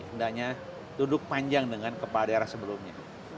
hendaknya duduk panjang dengan kepala daerah sebelumnya